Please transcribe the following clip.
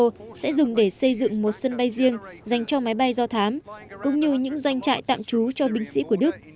gall sẽ dùng để xây dựng một sân bay riêng dành cho máy bay do thám cũng như những doanh trại tạm trú cho binh sĩ của đức